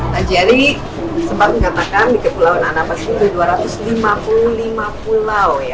pak jerry sempat mengatakan di kepulauan anambas itu dua ratus lima puluh lima pulau ya